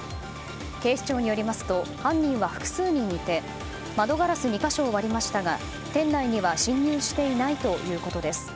警視庁によりますと犯人は複数人いて窓ガラス２か所を割りましたが店内には侵入していないということです。